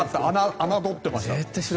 侮っていました。